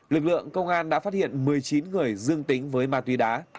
lực lượng công an đã phát hiện một mươi chín người dương tính với ma túy đá